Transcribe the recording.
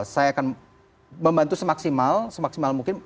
saya akan membantu semaksimal semaksimal mungkin